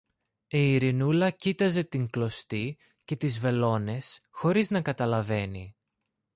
Η Ειρηνούλα κοίταζε την κλωστή και τις βελόνες χωρίς να καταλαβαίνει.